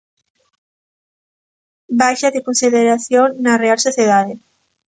Baixa de consideración na Real Sociedade.